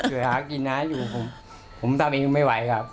คือหากินน้าอยู่ผมทำเองไม่ไหวครับ